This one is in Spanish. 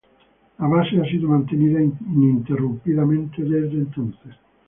La base ha sido mantenida ininterrumpidamente desde entonces.